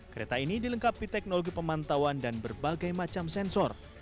kereta ini dilengkapi teknologi pemantauan dan berbagai macam sensor